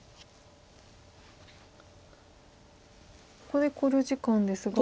ここで考慮時間ですが。